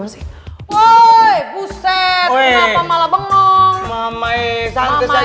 woy buset kenapa malah bengong